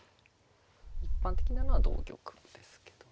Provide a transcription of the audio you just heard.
一般的なのは同玉ですけどね。